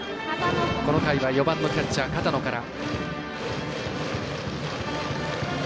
この回は４番のキャッチャー片野から。